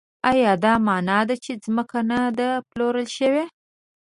ایا دا مانا ده چې ځمکه نه ده پلورل شوې؟